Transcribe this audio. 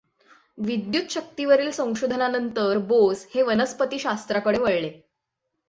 विद्युतशक्तीवरील संशोधनानंतर बोस हे वनस्पतिशास्त्राकडे वळले.